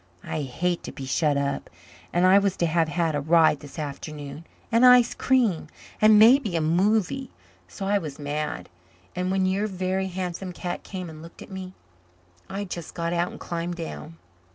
I hate to be shut up. And I was to have had a ride this afternoon and ice cream and maybe a movie. So I was mad. And when your Very Handsome Cat came and looked at me I just got out and climbed down."